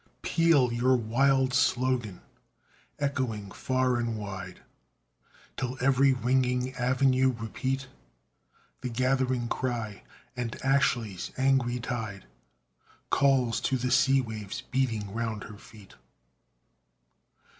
Peal your wild slogan, echoing far and wide, Till every ringing avenue repeat The gathering cry, and Ashley's angry tide Calls to the sea waves beating round her feet.